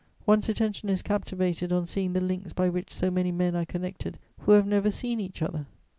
One's attention is captivated on seeing the links by which so many men are connected who have never seen each other.